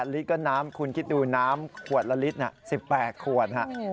ลิตรก็น้ำคุณคิดดูน้ำขวดละลิตร๑๘ขวด